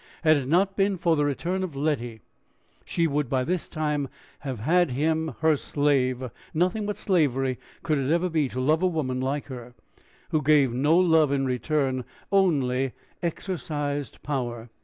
Had it not been for the return of Letty, she would by this time have had him her slave: nothing but slavery could it ever be to love a woman like her, who gave no love in return, only exercised power.